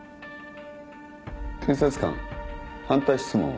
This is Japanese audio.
検察官反対質問を。